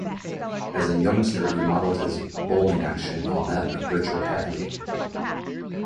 As a youngster, he modelled his bowling action on that of Richard Hadlee.